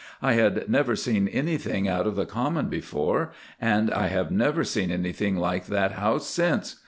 I had never seen anything out of the common before, and I have never seen anything like that house since.